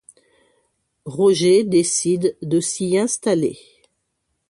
Roger décide de s'y installer.